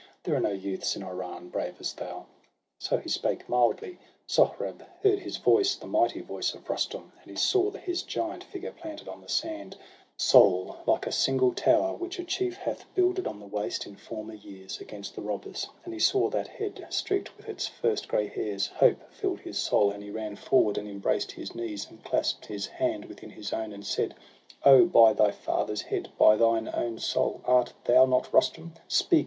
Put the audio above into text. There are no youths in Iran brave as thou.' So he spake, mildly; Sohrab heard his voice, The mighty voice of Rustum, and he saw His giant figure planted on the sand, Sole, like some single tower, which a chief Hath builded on the waste in former years VOL. I. H qs sohrab and rustum. Against the robbers; and he saw that head, Streak'd with its first grey hairs ;— hope fill'd his soul, And he ran forward and embraced his knees, And clasp' d his hand within his own, and said :—' Oh, by thy father's head ! by thine own soul 1 Art thou not Rustum ? speak